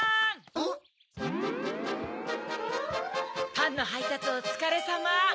パンのはいたつおつかれさま。